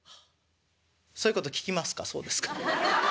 「そういうこと聞きますかそうですか」。